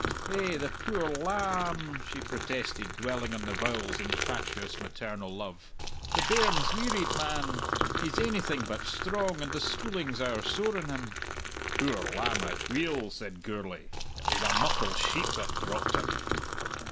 "Eh, the puir la amb," she protested, dwelling on the vowels in fatuous, maternal love; "the bairn's wearied, man! He's ainything but strong, and the schooling's owre sore on him." "Poor lamb, atweel," said Gourlay. "It was a muckle sheep that dropped him."